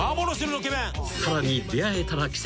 ［さらに出合えたら奇跡］